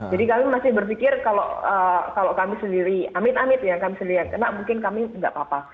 jadi kami masih berpikir kalau kami sendiri amit amit ya kami sendiri yang kena mungkin kami nggak apa apa